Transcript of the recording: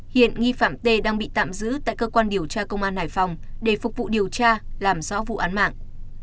hiện nghi phạm t đang bị tạm giữ tại cơ quan điều tra công an hải phòng để phục vụ điều tra làm rõ vụ án mạng